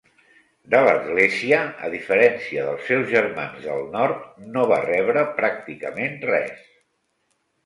De l'Església, a diferència dels seus germans del nord, no va rebre pràcticament res.